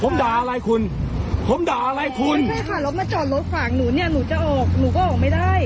ผมด่าอะไรคุณผมด่าอะไรคุณใช่ค่ะรถมาจอดรถขวางหนูเนี่ยหนูจะออกหนูก็ออกไม่ได้